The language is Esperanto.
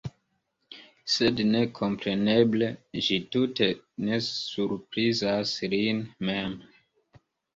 Sed, nekompreneble, ĝi tute ne surprizas lin mem.